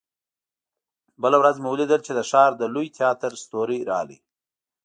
بله ورځ مې ولیدل چې د ښار د لوی تياتر ستورى راغی.